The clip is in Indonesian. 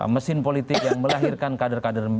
mesin politik yang melahirkan kader kader